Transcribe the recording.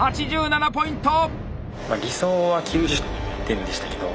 ８７ポイント！